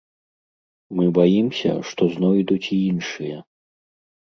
Мы баімся, што знойдуць і іншыя.